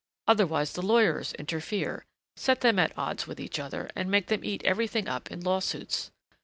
Otherwise the lawyers interfere, set them at odds with each other, and make them eat everything up in lawsuits.